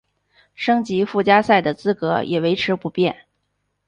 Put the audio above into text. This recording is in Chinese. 升级附加赛的资格也维持不变。